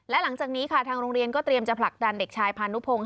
และหลังจากนี้ค่ะทางโรงเรียนก็เตรียมจะผลักดันเด็กชายพานุพงศ์